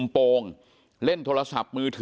เป็นมีดปลายแหลมยาวประมาณ๑ฟุตนะฮะที่ใช้ก่อเหตุ